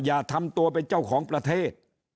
อย่าทำตัวเป็นเจ้าของประเทศ